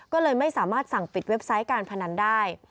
ก็เลยไม่สามารถสั่งปิดเว็บไซต์การพนันได้